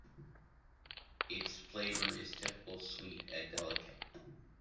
Its flavor is typical, sweet and delicate.